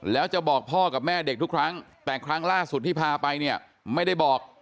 แล้วจะบอกพ่อกับแม่เด็กทุกครั้งแต่ครั้งล่าสุดที่พาไปเนี่ยไม่ได้บอก